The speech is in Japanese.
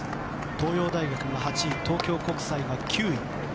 東洋大学が８位東京国際が９位。